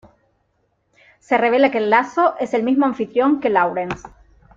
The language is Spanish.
Se revela que El Lazo es el mismo anfitrión que Lawrence.